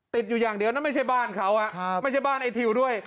ติดอยู่อย่างเดียวนะไม่ใช่บ้านเขาไม่ใช่บ้านไอ้ทิวด้วย